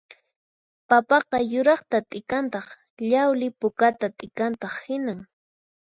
Papaqa yuraqta t'ikantaq llawli pukata t'ikantaq hinan